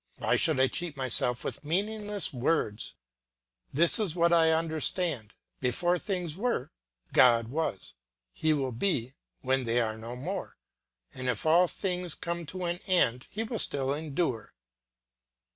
Why should I cheat myself with meaningless words? This is what I do understand; before things were God was; he will be when they are no more, and if all things come to an end he will still endure.